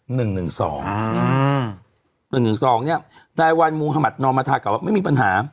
หนึ่งสองเนี่ยนายวันมุหมาธนอมมาธากับว่าไม่มีปัญหา